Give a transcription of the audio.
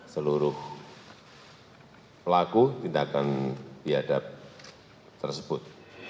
seluruh pelaku tindakan biadab tersebut